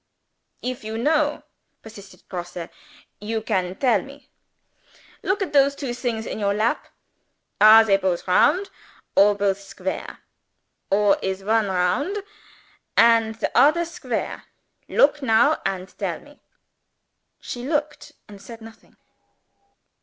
"If you know," persisted Grosse, "you can tell me. Look at those two things in your lap. Are they both round? or both square? or is one round? and the odder square? Look now, and tell me." She looked and said nothing.